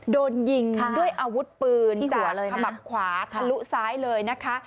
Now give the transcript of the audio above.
โดนยิงด้วยอาวุธปืนขมับขวาทะลุซ้ายเลยนะคะ